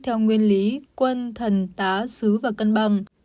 theo nguyên lý quân thần tá xứ và cân bằng